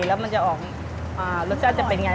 แล้วรสชาติจะเป็นยังไง